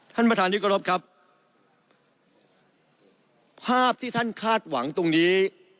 ท่านประธานที่กรบครับภาพที่ท่านคาดหวังตรงนี้